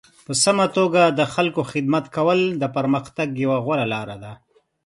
په سمه توګه د خلکو خدمت کول د پرمختګ یوه غوره لاره ده.